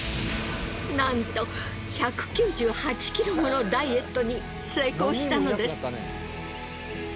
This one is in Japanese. なんと１９８ｋｇものダイエットに成功したのです。